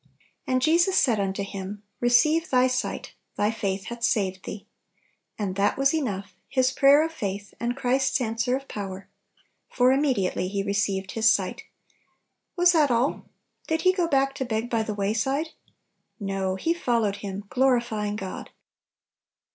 "And Jesus said unto him, Receive thy sight: thy faith hath saved thee." And thai was enough, his prayer of faith, and Christ's answer of power, for "immediately he received his sight/* Was that all? did he go back to beg by the wayside? No; he "followed ; Him, glorifying God."